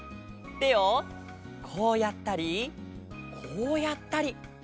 てをこうやったりこうやったり。